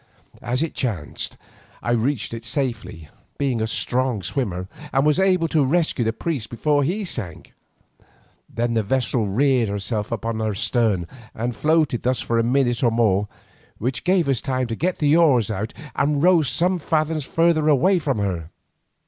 As it chanced I reached it safely, being a strong swimmer, and was able to rescue the priest before he sank. Then the vessel reared herself up on her stern and floated thus for a minute or more, which gave us time to get out the oars and row some fathoms further away from her.